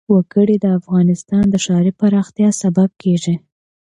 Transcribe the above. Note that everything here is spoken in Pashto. وګړي د افغانستان د ښاري پراختیا سبب کېږي.